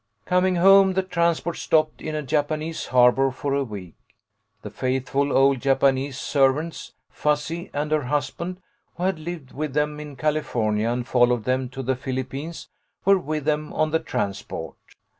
" Coming home the transport stopped in a Japanese harbour for a week. The faithful old Japanese ser vants, Fuzzi and her husband, who had lived with them in California and followed them to the Philip I4O THE LITTLE COLONEL'S HOLIDAYS. pines, were with them on the transport.